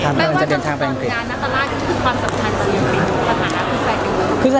สาเหตุหลักคืออะไรหรอครับผมว่าเราก็ไม่คอมิวนิเคทกัน